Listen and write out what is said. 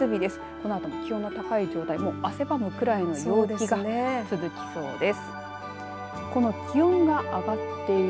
このあとも気温の高い状態汗ばむくらいの陽気が続きそうです。